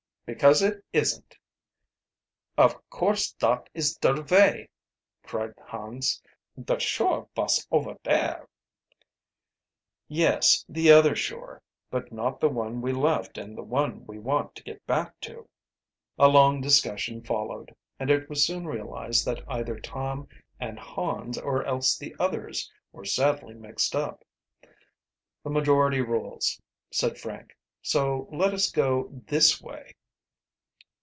"Because it isn't." "Of course dot is der vay," cried Hans. "Der shore vos ofer dare." "Yes, the other shore. But not the one we left and the one we want to get back to." A long discussion followed, and it was soon realized that either Tom and Hans, or else the others, were sadly mixed up. "The majority rules," said Frank. "So let us go this way."